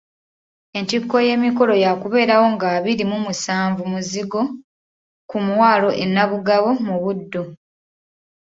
Entikko y'emikolo yaakubeerawo nga abiri mu musanvu Muzigo ku mwalo e Nabugabo mu Buddu.